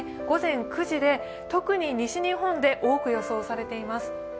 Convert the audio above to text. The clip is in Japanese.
午前９時で特に西日本で多く予想されています。